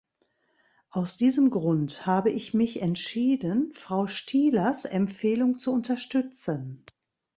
Aus diesem Grund habe ich mich entschieden, Frau Stihlers Empfehlung zu unterstützen.